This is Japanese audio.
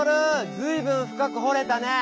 ずいぶん深くほれたね！